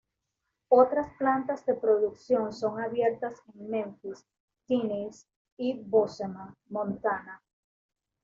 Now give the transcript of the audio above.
Otras plantas de producción son abiertas en Memphis, Tennessee y Bozeman, Montana.